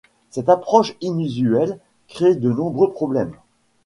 Cette approche inusuelle crée de nombreux problèmes.